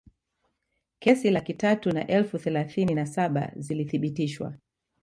Kesi laki tatu na elfu thelathini na saba zilithibitishwa